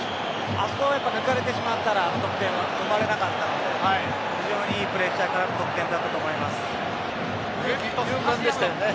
あそこを抜かれてしまったら得点は生まれなかったので非常にいいプレッシャーからの得点だったと思います。